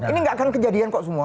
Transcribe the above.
ini nggak akan kejadian kok semua